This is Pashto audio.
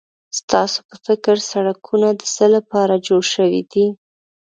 ستاسو په فکر سړکونه د څه لپاره جوړ شوي دي؟